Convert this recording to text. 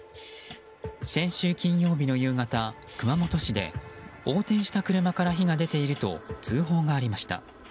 先週金曜日の夕方、熊本市で横転した車から火が出ていると通報がありました。